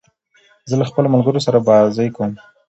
زه له خپلو ملګرو سره بازۍ کوم.